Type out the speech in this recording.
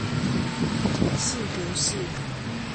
是不是